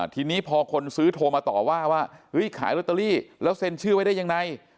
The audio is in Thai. ทีนี้พอคนซื้อโทรมาต่อว่าว่าขายลอตเตอรี่แล้วเซ็นชื่อไว้ได้ยังไง